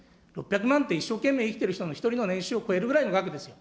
６００万って、一生懸命生きてる人の１人の年収を超えるぐらいの額ですよ。